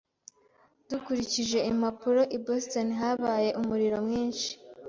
Dukurikije impapuro, i Boston habaye umuriro mwinshi.